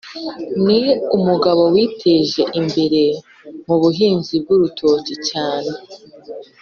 ni umugabo witeje imbere m’ubuhinzi bw’urutoki cyane